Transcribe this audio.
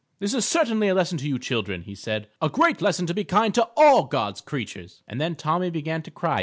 "This is certainly a lesson to you children," he said; "a great lesson to be kind to all God's creatures." And then Tommy began to cry.